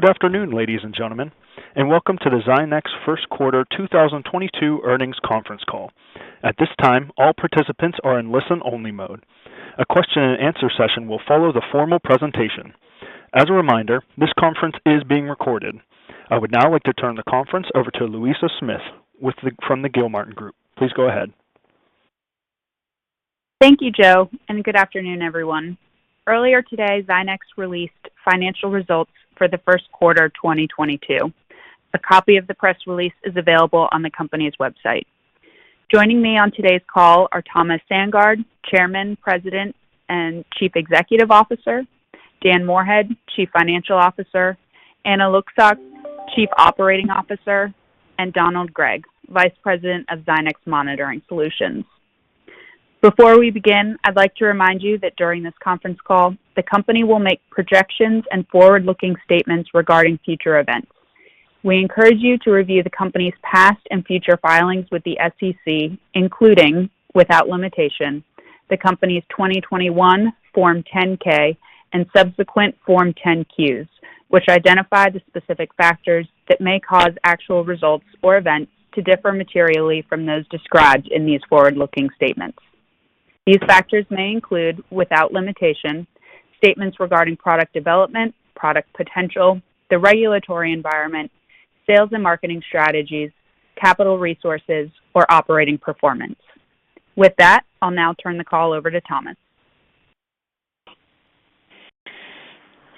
Good afternoon, ladies and gentlemen, and welcome to the Zynex first quarter 2022 earnings conference call. At this time, all participants are in listen-only mode. A question-and-answer session will follow the formal presentation. As a reminder, this conference is being recorded. I would now like to turn the conference over to Louisa Smith from the Gilmartin Group. Please go ahead. Thank you, Joe, and good afternoon, everyone. Earlier today, Zynex released financial results for the first quarter 2022. A copy of the press release is available on the company's website. Joining me on today's call are Thomas Sandgaard, Chairman, President, and Chief Executive Officer, Dan Moorhead, Chief Financial Officer, Anna Lucsok, Chief Operating Officer, and Donald Gregg, Vice President of Zynex Monitoring Solutions. Before we begin, I'd like to remind you that during this conference call, the company will make projections and forward-looking statements regarding future events. We encourage you to review the company's past and future filings with the SEC, including, without limitation, the company's 2021 Form 10-K and subsequent Form 10-Qs, which identify the specific factors that may cause actual results or events to differ materially from those described in these forward-looking statements. These factors may include, without limitation, statements regarding product development, product potential, the regulatory environment, sales and marketing strategies, capital resources or operating performance. With that, I'll now turn the call over to Thomas.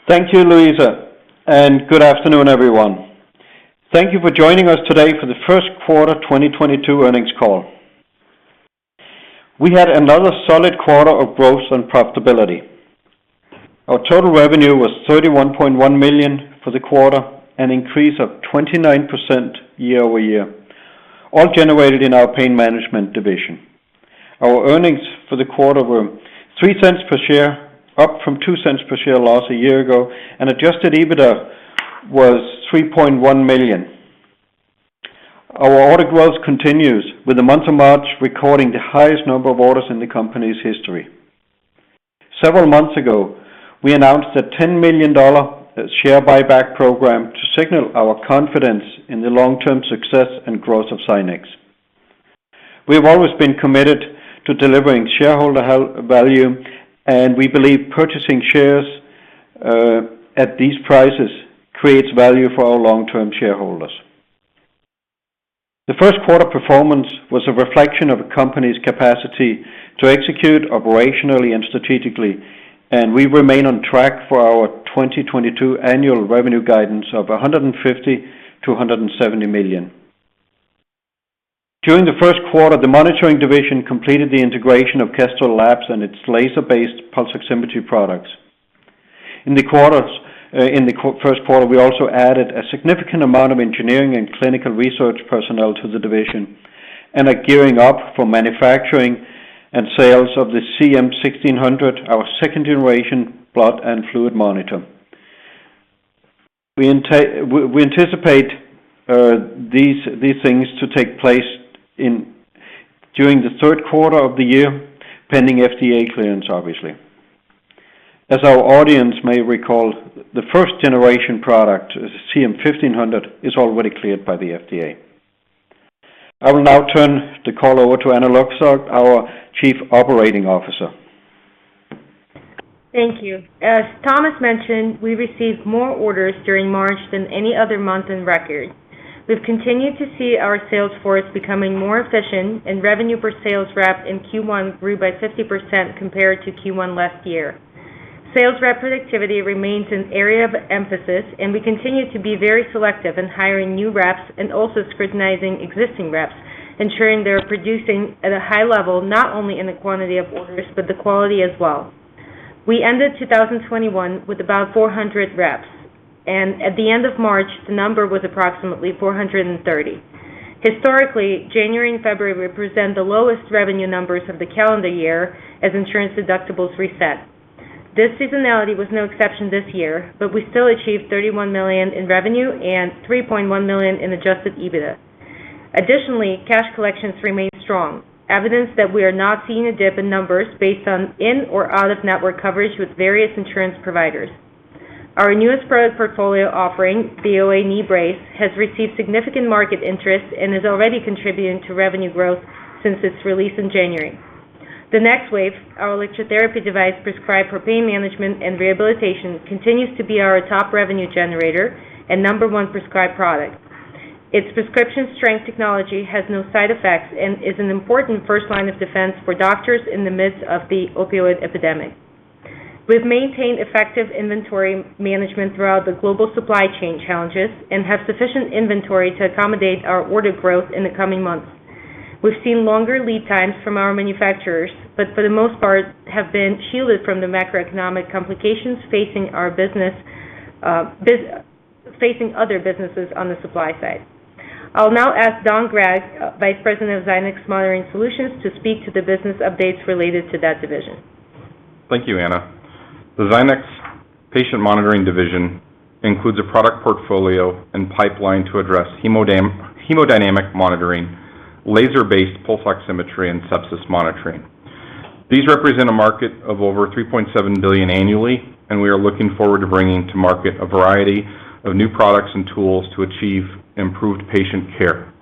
Thank you, Louisa, and good afternoon, everyone. Thank you for joining us today for the first quarter 2022 earnings call. We had another solid quarter of growth and profitability. Our total revenue was $31.1 million for the quarter, an increase of 29% year-over-year, all generated in our pain management division. Our earnings for the quarter were $0.03 per share, up from $0.02 per share loss a year ago, and adjusted EBITDA was $3.1 million. Our order growth continues, with the month of March recording the highest number of orders in the company's history. Several months ago, we announced a $10 million share buyback program to signal our confidence in the long-term success and growth of Zynex. We have always been committed to delivering shareholder value, and we believe purchasing shares at these prices creates value for our long-term shareholders. The first quarter performance was a reflection of the company's capacity to execute operationally and strategically, and we remain on track for our 2022 annual revenue guidance of $150 million-$170 million. During the first quarter, the monitoring division completed the integration of Kestrel Labs and its laser-based pulse oximetry products. In the first quarter, we also added a significant amount of engineering and clinical research personnel to the division and are gearing up for manufacturing and sales of the CM-1600, our second-generation blood and fluid monitor. We anticipate these things to take place during the third quarter of the year, pending FDA clearance, obviously. As our audience may recall, the first generation product, CM-1500, is already cleared by the FDA. I will now turn the call over to Anna Lucsok, our Chief Operating Officer. Thank you. As Thomas mentioned, we received more orders during March than any other month on record. We've continued to see our sales force becoming more efficient and revenue per sales rep in Q1 grew by 50% compared to Q1 last year. Sales rep productivity remains an area of emphasis, and we continue to be very selective in hiring new reps and also scrutinizing existing reps, ensuring they're producing at a high level, not only in the quantity of orders, but the quality as well. We ended 2021 with about 400 reps, and at the end of March, the number was approximately 430. Historically, January and February represent the lowest revenue numbers of the calendar year as insurance deductibles reset. This seasonality was no exception this year, but we still achieved $31 million in revenue and $3.1 million in adjusted EBITDA. Additionally, cash collections remain strong, evidence that we are not seeing a dip in numbers based on in or out of network coverage with various insurance providers. Our newest product portfolio offering, the OA Knee Brace, has received significant market interest and is already contributing to revenue growth since its release in January. The NexWave, our electrotherapy device prescribed for pain management and rehabilitation, continues to be our top revenue generator and number one prescribed product. Its prescription strength technology has no side effects and is an important first line of defense for doctors in the midst of the opioid epidemic. We've maintained effective inventory management throughout the global supply chain challenges and have sufficient inventory to accommodate our order growth in the coming months. We've seen longer lead times from our manufacturers, but for the most part have been shielded from the macroeconomic complications facing our business, facing other businesses on the supply side. I'll now ask Don Gregg, Vice President of Zynex Monitoring Solutions, to speak to the business updates related to that division. Thank you, Anna. The Zynex Patient Monitoring Division includes a product portfolio and pipeline to address hemodynamic monitoring, laser-based pulse oximetry, and sepsis monitoring. These represent a market of over $3.7 billion annually, and we are looking forward to bringing to market a variety of new products and tools to achieve improved patient care.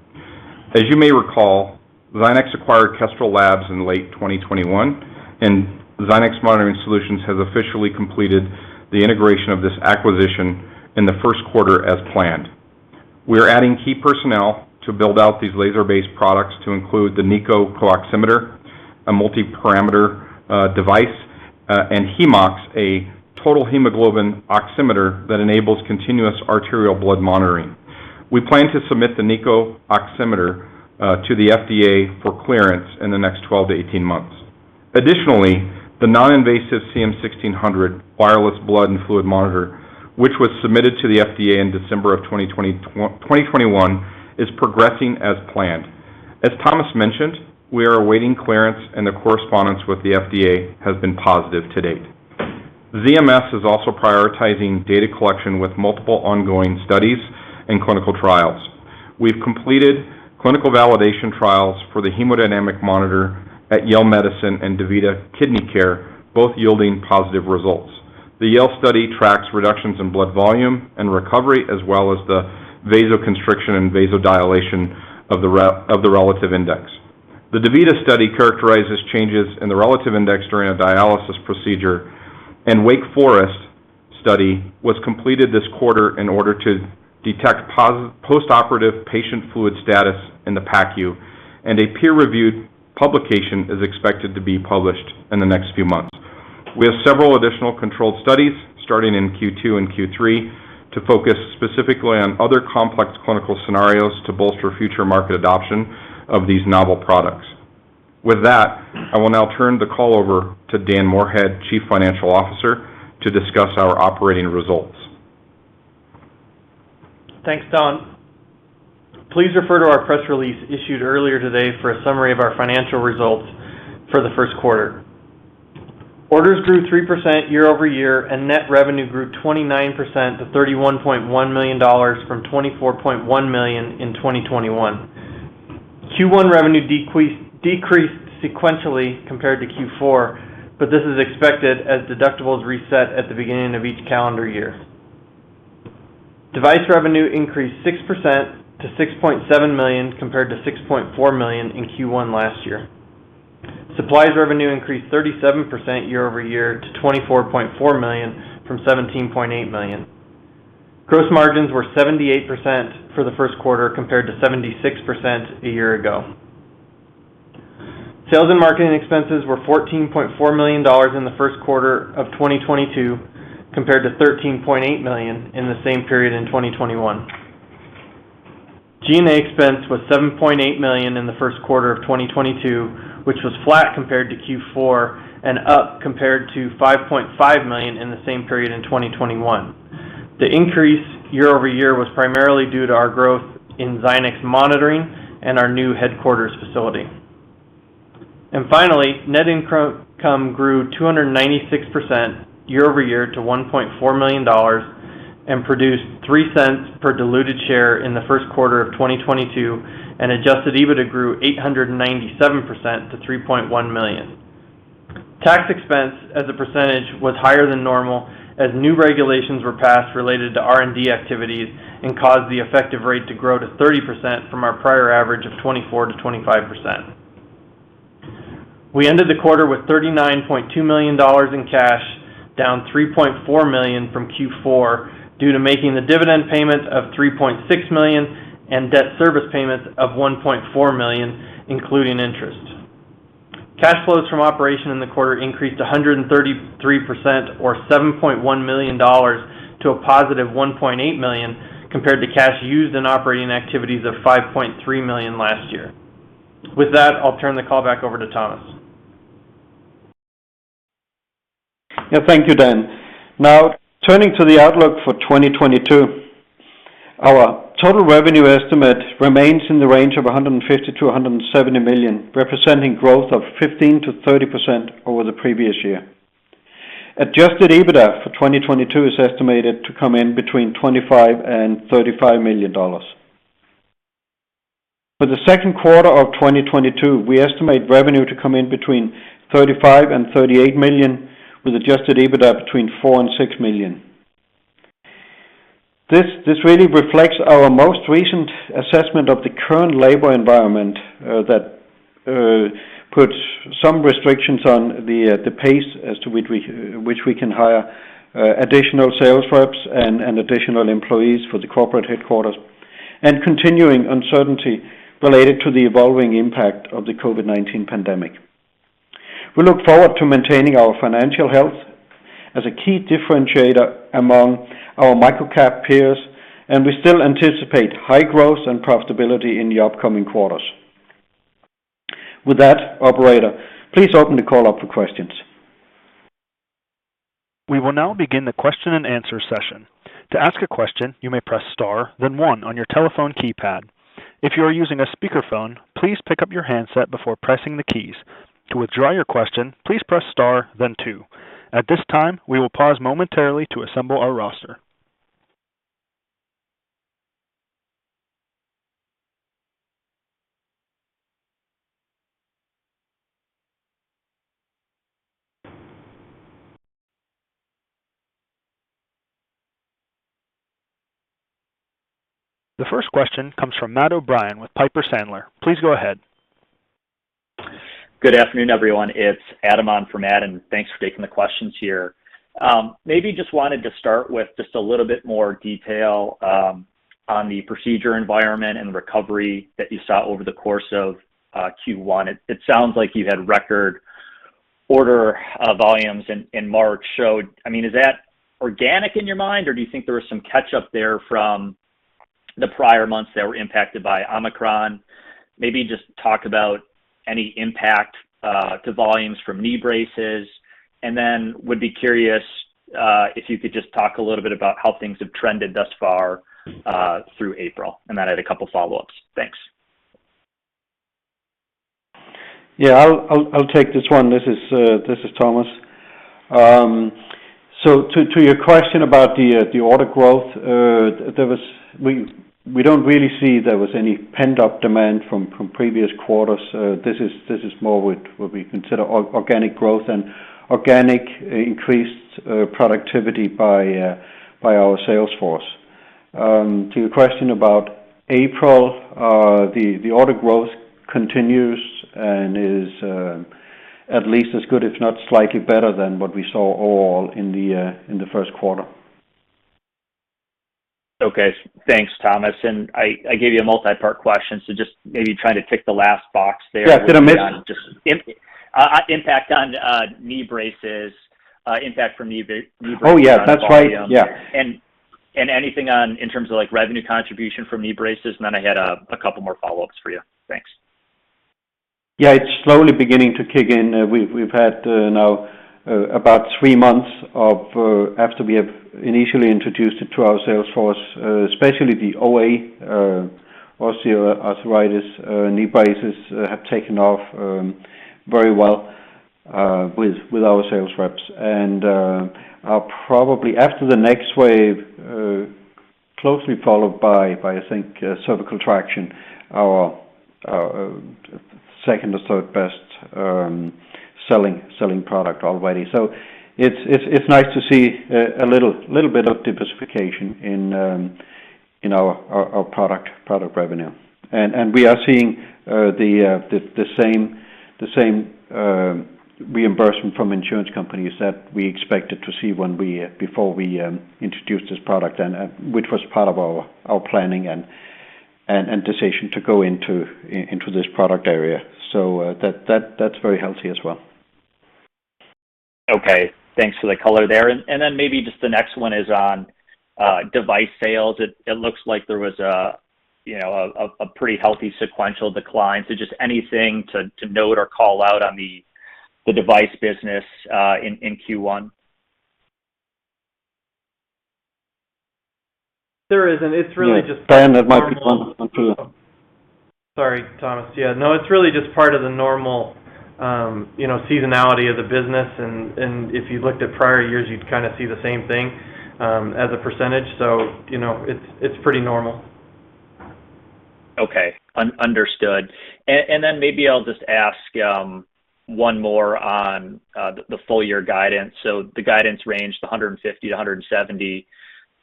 As you may recall, Zynex acquired Kestrel Labs in late 2021, and Zynex Monitoring Solutions has officially completed the integration of this acquisition in the first quarter as planned. We are adding key personnel to build out these laser-based products to include the NiCO CO-Oximeter, a multi-parameter device, and HemeOx, a total hemoglobin oximeter that enables continuous arterial blood monitoring. We plan to submit the NiCO oximeter to the FDA for clearance in the next 12-18 months. Additionally, the non-invasive CM-1600 wireless blood and fluid monitor, which was submitted to the FDA in December 2021, is progressing as planned. As Thomas mentioned, we are awaiting clearance, and the correspondence with the FDA has been positive to date. ZMS is also prioritizing data collection with multiple ongoing studies and clinical trials. We've completed clinical validation trials for the hemodynamic monitor at Yale Medicine and DaVita Kidney Care, both yielding positive results. The Yale study tracks reductions in blood volume and recovery, as well as the vasoconstriction and vasodilation of the Relative Index. The DaVita study characterizes changes in the Relative Index during a dialysis procedure, and Wake Forest study was completed this quarter in order to detect postoperative patient fluid status in the PACU, and a peer-reviewed publication is expected to be published in the next few months. We have several additional controlled studies starting in Q2 and Q3 to focus specifically on other complex clinical scenarios to bolster future market adoption of these novel products. With that, I will now turn the call over to Dan Moorhead, Chief Financial Officer, to discuss our operating results. Thanks, Don. Please refer to our press release issued earlier today for a summary of our financial results for the first quarter. Orders grew 3% year-over-year, and net revenue grew 29% to $31.1 million from $24.1 million in 2021. Q1 revenue decreased sequentially compared to Q4, but this is expected as deductibles reset at the beginning of each calendar year. Device revenue increased 6% to $6.7 million compared to $6.4 million in Q1 last year. Supplies revenue increased 37% year-over-year to $24.4 million from $17.8 million. Gross margins were 78% for the first quarter compared to 76% a year ago. Sales and marketing expenses were $14.4 million in the first quarter of 2022 compared to $13.8 million in the same period in 2021. G&A expense was $7.8 million in the first quarter of 2022, which was flat compared to Q4 and up compared to $5.5 million in the same period in 2021. The increase year-over-year was primarily due to our growth in Zynex Monitoring and our new headquarters facility. Finally, net income grew 296% year-over-year to $1.4 million and produced $0.03 per diluted share in the first quarter of 2022, and adjusted EBITDA grew 897% to $3.1 million. Tax expense as a percentage was higher than normal, as new regulations were passed related to R&D activities and caused the effective rate to grow to 30% from our prior average of 24%-25%. We ended the quarter with $39.2 million in cash, down $3.4 million from Q4 due to making the dividend payments of $3.6 million and debt service payments of $1.4 million, including interest. Cash flows from operations in the quarter increased 133% or $7.1 million to a positive $1.8 million compared to cash used in operating activities of $5.3 million last year. With that, I'll turn the call back over to Thomas. Yeah. Thank you, Dan. Now, turning to the outlook for 2022. Our total revenue estimate remains in the range of $150 million-$170 million, representing growth of 15%-30% over the previous year. Adjusted EBITDA for 2022 is estimated to come in between $25 million and $35 million. For the second quarter of 2022, we estimate revenue to come in between $35 million and $38 million, with adjusted EBITDA between $4 million and $6 million. This really reflects our most recent assessment of the current labor environment, that puts some restrictions on the pace as to which we can hire additional sales reps and additional employees for the corporate headquarters and continuing uncertainty related to the evolving impact of the COVID-19 pandemic. We look forward to maintaining our financial health as a key differentiator among our micro-cap peers, and we still anticipate high growth and profitability in the upcoming quarters. With that, operator, please open the call up for questions. We will now begin the question-and-answer session. To ask a question, you may press star, then one on your telephone keypad. If you are using a speakerphone, please pick up your handset before pressing the keys. To withdraw your question, please press star, then two. At this time, we will pause momentarily to assemble our roster. The first question comes from Matt O'Brien with Piper Sandler. Please go ahead. Good afternoon, everyone. It's Adam on for Matt, and thanks for taking the questions here. Maybe just wanted to start with just a little bit more detail on the procedure environment and recovery that you saw over the course of Q1. It sounds like you had record order volumes in March so. I mean, is that organic in your mind, or do you think there was some catch-up there from the prior months that were impacted by Omicron? Maybe just talk about any impact to volumes from knee braces. Then I would be curious if you could just talk a little bit about how things have trended thus far through April. Then I had a couple follow-ups. Thanks. I'll take this one. This is Thomas. To your question about the order growth, we don't really see there was any pent-up demand from previous quarters. This is more what we consider organic growth and increase in productivity by our sales force. To your question about April, the order growth continues and is at least as good, if not slightly better than what we saw overall in the first quarter. Okay. Thanks, Thomas. I gave you a multi-part question, so just maybe trying to tick the last box there. Just impact on knee braces, impact from knee braces on volume. Anything on in terms of like revenue contribution from knee braces, and then I had a couple more follow-ups for you. Thanks. Yeah. It's slowly beginning to kick in. We've had now about three months after we initially introduced it to our sales force, especially the OA osteoarthritis knee braces have taken off very well with our sales reps. Probably after the next wave closely followed by I think cervical traction, our second or third best selling product already. It's nice to see a little bit of diversification in our product revenue. We are seeing the same reimbursement from insurance companies that we expected to see before we introduced this product and which was part of our planning and decision to go into this product area. That's very healthy as well. Okay. Thanks for the color there. Maybe just the next one is on device sales. It looks like there was a you know, a pretty healthy sequential decline. Just anything to note or call out on the device business in Q1. Sorry, Thomas. Yeah. No, it's really just part of the normal, you know, seasonality of the business. If you looked at prior years, you'd kind of see the same thing, as a percentage. You know, it's pretty normal. Okay. Understood. Maybe I'll just ask one more on the full year guidance. The guidance range, the $150 million-$170 million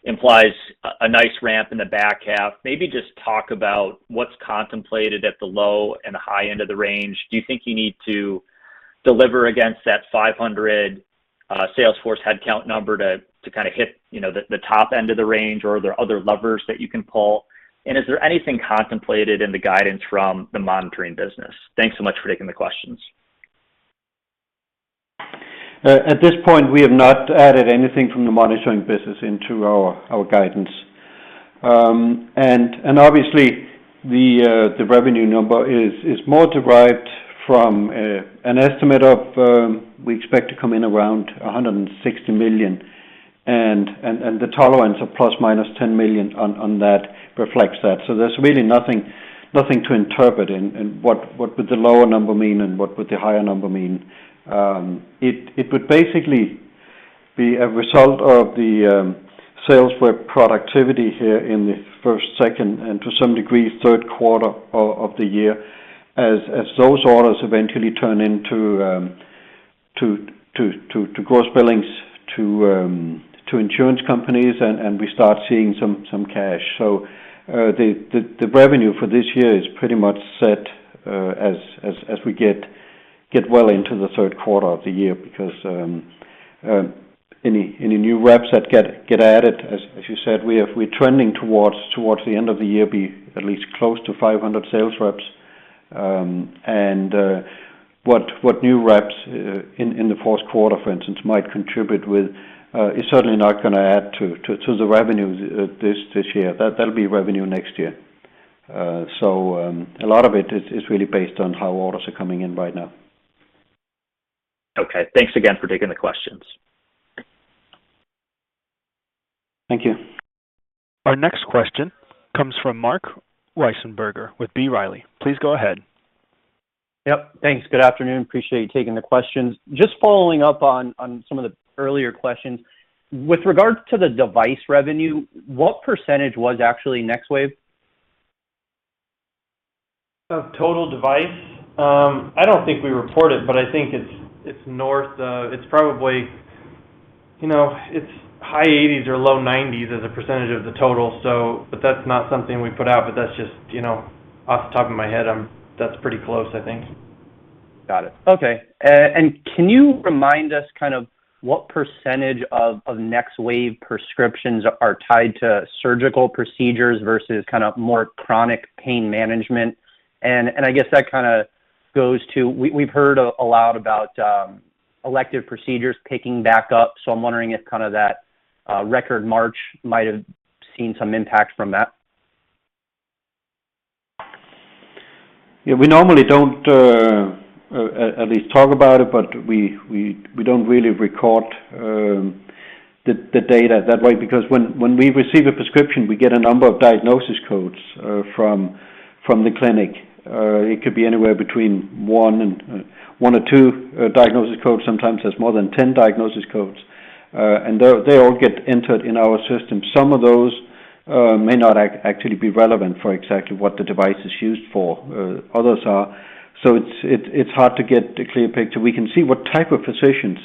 implies a nice ramp in the back half. Maybe just talk about what's contemplated at the low and the high end of the range. Do you think you need to deliver against that 500 sales force headcount number to kind of hit, you know, the top end of the range, or are there other levers that you can pull? Is there anything contemplated in the guidance from the monitoring business? Thanks so much for taking the questions. At this point, we have not added anything from the monitoring business into our guidance. Obviously, the revenue number is more derived from an estimate of we expect to come in around $160 million, and the tolerance of ±$10 million on that reflects that. There's really nothing to interpret in what would the lower number mean and what would the higher number mean. It would basically be a result of the sales rep productivity here in the first, second, and to some degree, third quarter of the year, as those orders eventually turn into gross billings to insurance companies and we start seeing some cash. The revenue for this year is pretty much set, as we get well into the third quarter of the year because any new reps that get added, as you said, we're trending towards the end of the year be at least close to 500 sales reps. What new reps in the fourth quarter, for instance, might contribute with is certainly not going to add to the revenue this year. That'll be revenue next year. A lot of it is really based on how orders are coming in right now. Okay. Thanks again for taking the questions. Thank you. Our next question comes from Marc Wiesenberger with B. Riley. Please go ahead. Yep. Thanks. Good afternoon. Appreciate you taking the questions. Just following up on some of the earlier questions. With regards to the device revenue, what percentage was actually NexWave? Of total device? I don't think we report it, but I think it's probably, you know, it's high 80s or low 90s as a percentage of the total. But that's not something we put out, but that's just, you know, off the top of my head, that's pretty close, I think. Got it. Okay. Can you remind us kind of what percentage of NexWave prescriptions are tied to surgical procedures versus kind of more chronic pain management? I guess that kind of goes to what we've heard a lot about elective procedures picking back up, so I'm wondering if kind of that record March might have seen some impact from that. Yeah, we normally don't at least talk about it, but we don't really record the data that way because when we receive a prescription, we get a number of diagnosis codes from the clinic. It could be anywhere between one or two diagnosis codes. Sometimes there's more than 10 diagnosis codes. They all get entered in our system. Some of those may not actually be relevant for exactly what the device is used for, others are. It's hard to get a clear picture. We can see what type of physicians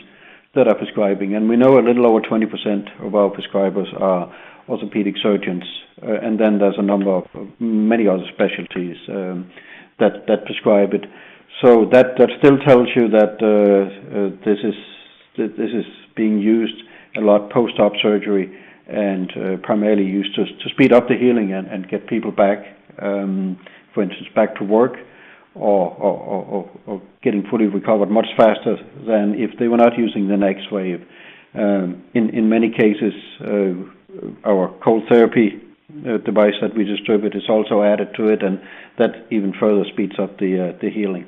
that are prescribing, and we know a little over 20% of our prescribers are orthopedic surgeons. Then there's a number of many other specialties that prescribe it. That still tells you that this is being used a lot post-op surgery and primarily used to speed up the healing and get people back, for instance, back to work or getting fully recovered much faster than if they were not using the NexWave. In many cases, our cold therapy device that we distribute is also added to it, and that even further speeds up the healing.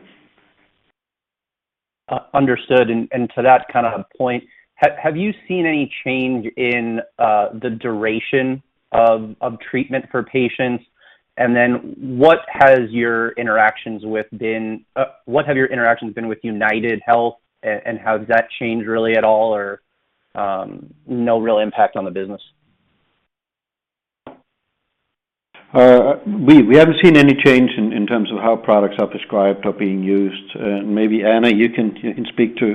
Understood. To that kind of point, have you seen any change in the duration of treatment for patients? Then what have your interactions been with UnitedHealth and how has that changed really at all or no real impact on the business? We haven't seen any change in terms of how products are prescribed or being used. Maybe Anna, you can speak to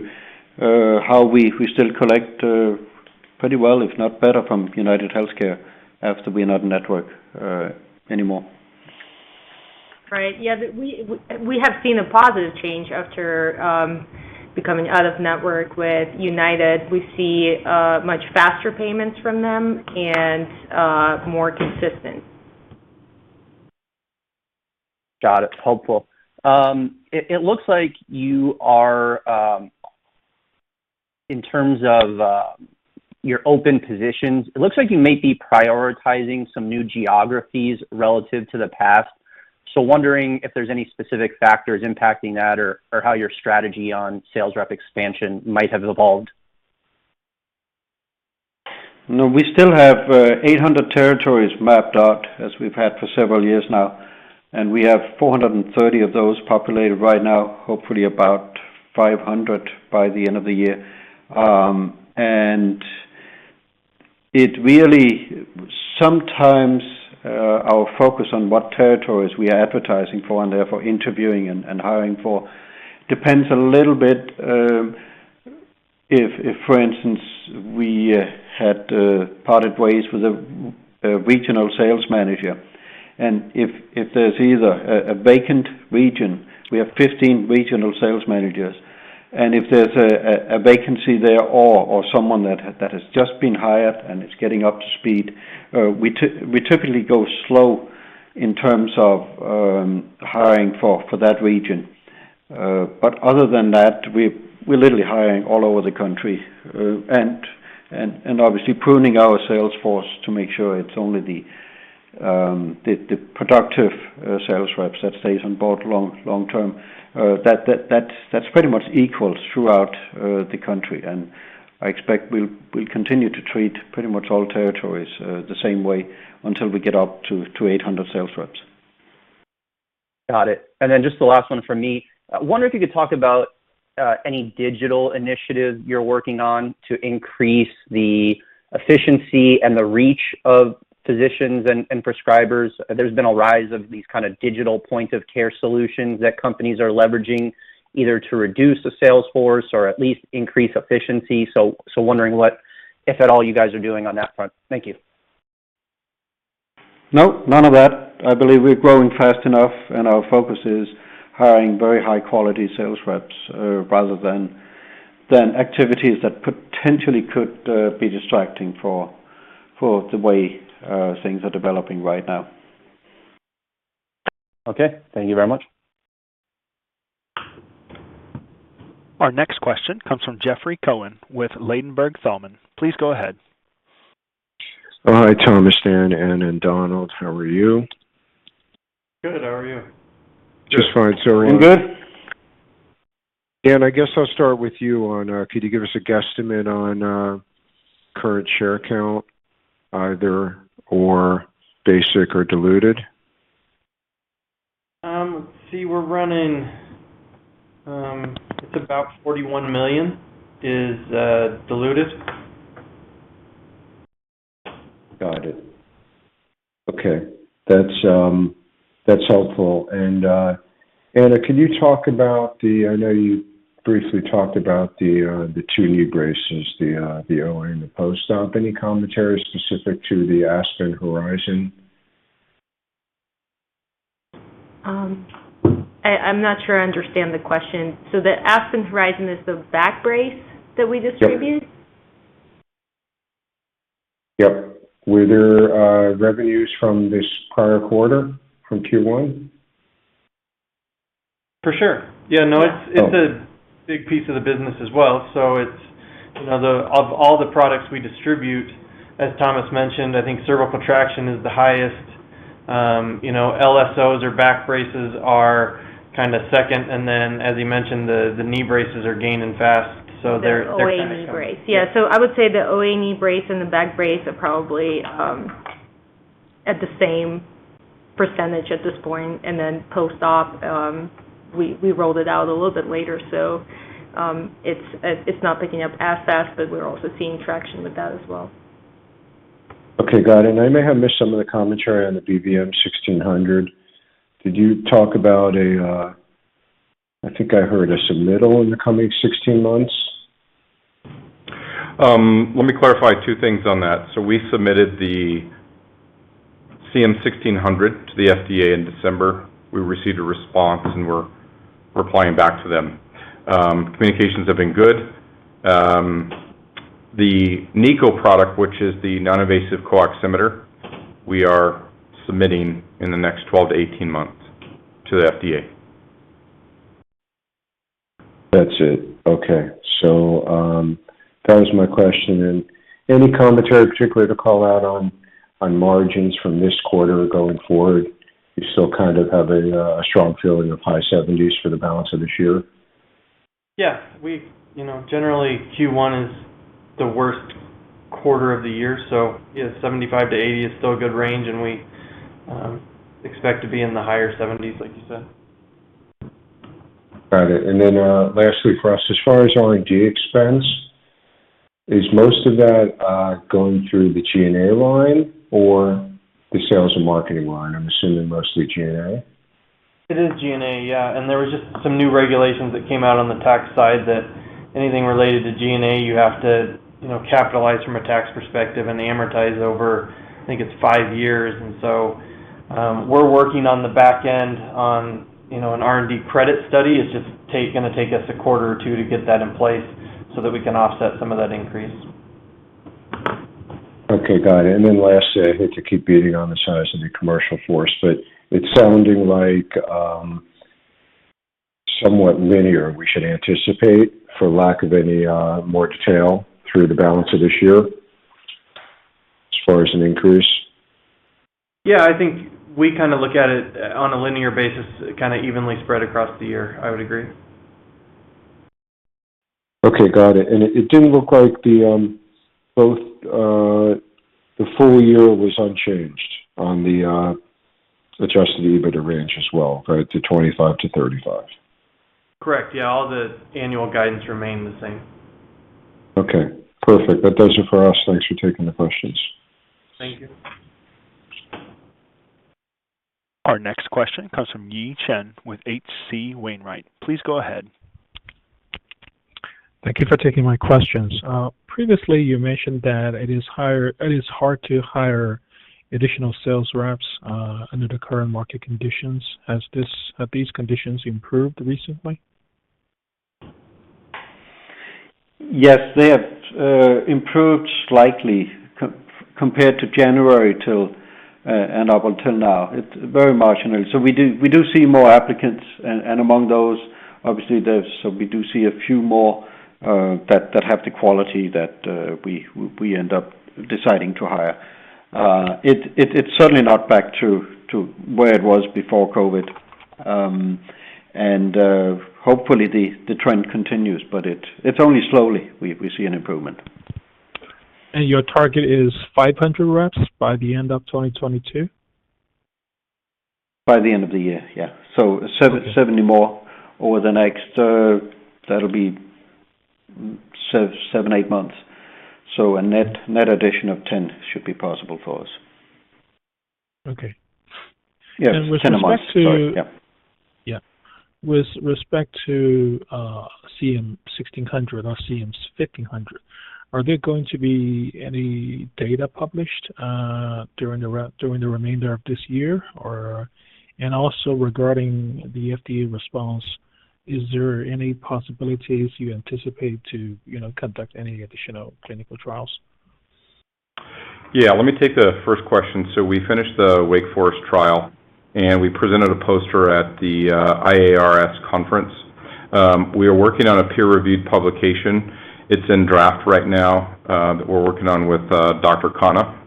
how we still collect pretty well, if not better, from UnitedHealthcare after we are not in network anymore. Right. Yeah. We have seen a positive change after becoming out of network with United. We see much faster payments from them and more consistent. Got it. Helpful. It looks like you are in terms of your open positions. It looks like you may be prioritizing some new geographies relative to the past. Wondering if there's any specific factors impacting that or how your strategy on sales rep expansion might have evolved. No, we still have 800 territories mapped out as we've had for several years now, and we have 430 of those populated right now, hopefully about 500 by the end of the year. Sometimes our focus on what territories we are advertising for and therefore interviewing and hiring for depends a little bit, if for instance, we had parted ways with a regional sales manager. If there's either a vacancy there or someone that has just been hired and is getting up to speed, we typically go slow in terms of hiring for that region. Other than that, we're literally hiring all over the country and obviously pruning our sales force to make sure it's only the productive sales reps that stays on board long-term. That's pretty much equal throughout the country. I expect we'll continue to treat pretty much all territories the same way until we get up to 800 sales reps. Got it. Then just the last one from me. I wonder if you could talk about any digital initiative you're working on to increase the efficiency and the reach of physicians and prescribers. There's been a rise of these kind of digital point of care solutions that companies are leveraging either to reduce the sales force or at least increase efficiency. Wondering what, if at all, you guys are doing on that front. Thank you. No, none of that. I believe we're growing fast enough and our focus is hiring very high quality sales reps, rather than activities that potentially could be distracting for the way things are developing right now. Okay. Thank you very much. Our next question comes from Jeffrey Cohen with Ladenburg Thalmann. Please go ahead. Hi, Thomas, Dan, Anna, and Donald. How are you? Good. How are you? Just fine, sir. You good? Dan, I guess I'll start with you on, could you give us a guesstimate on, current share count either or basic or diluted? Let's see, it's about $41 million is diluted. Got it. Okay. That's helpful. Anna, can you talk about, I know you briefly talked about the two knee braces, the OA and the post-op. Any commentary specific to the Aspen Horizon? I'm not sure I understand the question. The Aspen Horizon is the back brace that we distribute. Yep. Were there revenues from this prior quarter from Q1? For sure. Yeah. It's a big piece of the business as well. Of all the products we distribute, as Thomas mentioned, I think cervical traction is the highest. LSOs or back braces are kind of second. As you mentioned, the knee braces are gaining fast. Yeah. I would say the OA Knee Brace and the back brace are probably at the same percentage at this point. Then post-op, we rolled it out a little bit later, so it's not picking up as fast, but we're also seeing traction with that as well. Okay. Got it. I may have missed some of the commentary on the CM-1600. Did you talk about a, I think I heard a submittal in the coming 16 months. Let me clarify two things on that. We submitted the CM 1600 to the FDA in December. We received a response, and we're replying back to them. Communications have been good. The NiCO product, which is the non-invasive oximeter, we are submitting in the next 12-18 months to the FDA. That's it. Okay. That was my question. Any commentary particularly to call out on margins from this quarter going forward? You still kind of have a strong feeling of high 70s% for the balance of this year? Yeah. You know, generally Q1 is the worst quarter of the year, so yeah, 75%-80% is still a good range, and we expect to be in the higher 70s-percent, like you said. Got it. Lastly for us, as far as R&D expense, is most of that going through the G&A line or the sales and marketing line? I'm assuming mostly G&A. It is G&A, yeah. There was just some new regulations that came out on the tax side that anything related to G&A, you have to, you know, capitalize from a tax perspective and amortize over, I think it's five years. We're working on the back end on, you know, an R&D credit study. It's just going to take us a quarter or two to get that in place so that we can offset some of that increase. Okay. Got it. Lastly, I hate to keep beating on the size of the commercial force, but it's sounding like somewhat linear we should anticipate, for lack of any more detail, through the balance of this year as far as an increase. Yeah, I think we kind of look at it on a linear basis, kind of evenly spread across the year. I would agree. Okay. Got it. It didn't look like the full year was unchanged on the adjusted EBITDA range as well, right? To $25-$35. Correct. Yeah. All the annual guidance remain the same. Okay. Perfect. That does it for us. Thanks for taking the questions. Thank you. Our next question comes from Yi Chen with H.C. Wainwright. Please go ahead. Thank you for taking my questions. Previously you mentioned that it is hard to hire additional sales reps under the current market conditions. Have these conditions improved recently? Yes, they have improved slightly compared to January till and up until now. It's very marginal. We do see more applicants and, among those, obviously, we do see a few more that have the quality that we end up deciding to hire. It's certainly not back to where it was before COVID. Hopefully the trend continues, but it's only slowly we see an improvement. Your target is 500 reps by the end of 2022? By the end of the year, yeah. Seven more over the next, that'll be seven, eight months. A net addition of 10 should be possible for us. Yeah. 10 a month. Sorry. Yeah. With respect to CM-1600 or CM-1500, are there going to be any data published during the remainder of this year? Also regarding the FDA response, is there any possibilities you anticipate to, you know, conduct any additional clinical trials? Yeah. Let me take the first question. We finished the Wake Forest trial, and we presented a poster at the IARS conference. We are working on a peer-reviewed publication. It's in draft right now that we're working on with Dr. Khanna.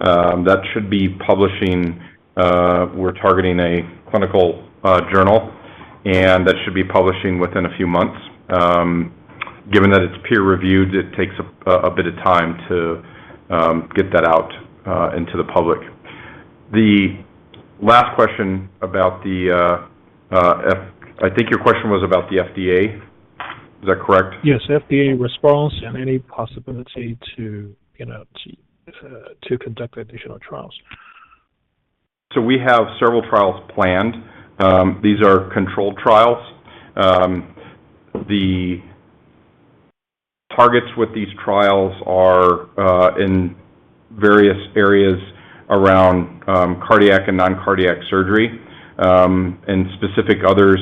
That should be publishing. We're targeting a clinical journal, and that should be publishing within a few months. Given that it's peer-reviewed, it takes a bit of time to get that out into the public. The last question about the FDA. I think your question was about the FDA. Is that correct? Yes. FDA response and any possibility to, you know, conduct additional trials. We have several trials planned. These are controlled trials. The targets with these trials are in various areas around cardiac and non-cardiac surgery, and specific others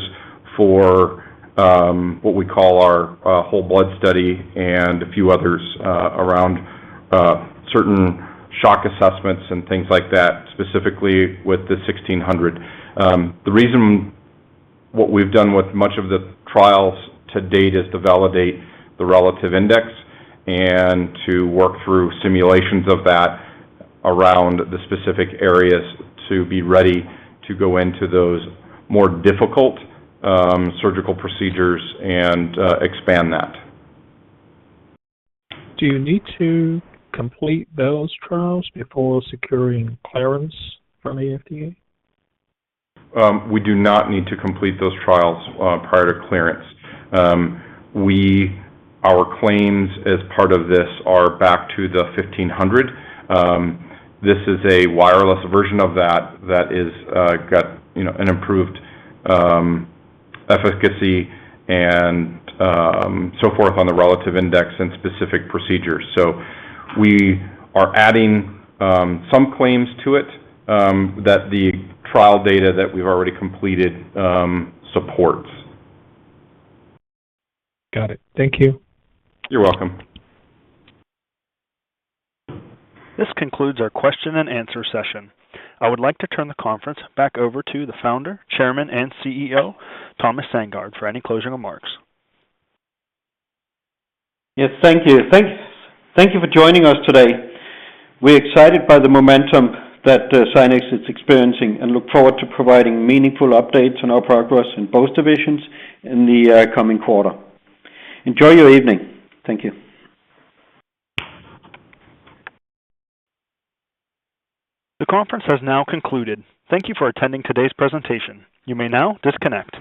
for what we call our whole blood study and a few others around certain shock assessments and things like that, specifically with the CM-1600. The reason what we've done with much of the trials to date is to validate the Relative Index and to work through simulations of that around the specific areas to be ready to go into those more difficult surgical procedures and expand that. Do you need to complete those trials before securing clearance from the FDA? We do not need to complete those trials prior to clearance. Our claims as part of this are back to the 1500. This is a wireless version of that that is got you know an improved efficacy and so forth on the Relative Index and specific procedures. We are adding some claims to it that the trial data that we've already completed supports. Got it. Thank you. You're welcome. This concludes our question-and-answer session. I would like to turn the conference back over to the Founder, Chairman, and CEO, Thomas Sandgaard, for any closing remarks. Yes, thank you. Thank you for joining us today. We're excited by the momentum that Zynex is experiencing and look forward to providing meaningful updates on our progress in both divisions in the coming quarter. Enjoy your evening. Thank you. The conference has now concluded. Thank you for attending today's presentation. You may now disconnect.